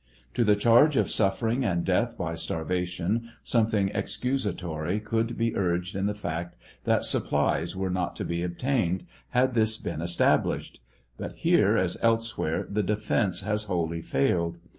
To the charge of suffering and death by starvation something excusatory could be urged in the fact that supplies were not to be obtained, had this been established; but here, as elsewhere, the defence has wholly failed.